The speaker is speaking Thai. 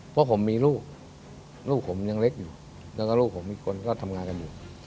เพราะผมมีลูกลูกผมยังเล็กอยู่แล้วก็ลูกผมอีกคนก็ทำงานกันอยู่